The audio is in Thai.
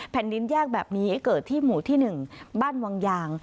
แผ่นดินแยกแบบนี้เกิดที่หมู่ที่๑บ้านวังยาง